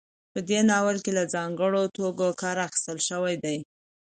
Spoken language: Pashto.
په دې ناول کې له ځانګړو توکو کار اخیستل شوی دی.